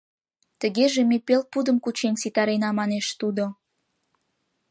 — Тыгеже ме пел пудым кучен ситарена, — манеш тудо.